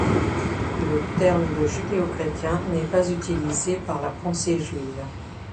Le terme de judéo-chrétien n'est pas utilisé par la pensée juive.